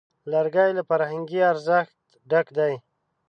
لرګی له فرهنګي ارزښت ډک دی.